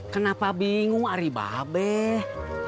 kenapa bingung ari babeh